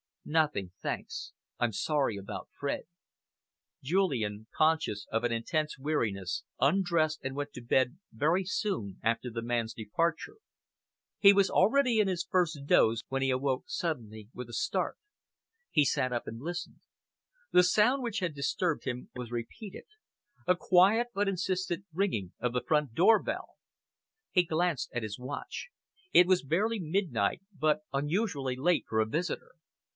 "Nothing, thanks. I'm sorry about Fred." Julian, conscious of an intense weariness, undressed and went to bed very soon after the man's departure. He was already in his first doze when he awoke suddenly with a start. He sat up and listened. The sound which had disturbed him was repeated, a quiet but insistent ringing of the front door bell. He glanced at his watch. It was barely midnight, but unusually late for a visitor.